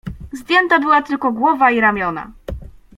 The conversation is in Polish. "Zdjęta była tylko głowa i ramiona."